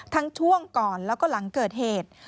ช่วงก่อนแล้วก็หลังเกิดเหตุ